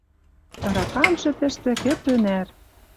Тараканжы тӹштӹ кӹтӧ нӓр.